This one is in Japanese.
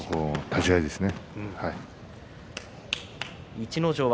立ち合いですね。